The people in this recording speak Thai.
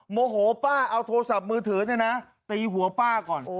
โมโหป้าเอาโทรศัพท์มือถือดิหัวป้าก่อน